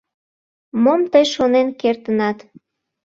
— Мом тый шонен кертынат?